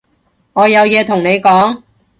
我有嘢同你講